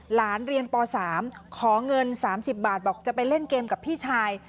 หลานเรียนป๓ขอเงิน๓๐บาทบอกจะไปเล่นเกมกับพี่ชาย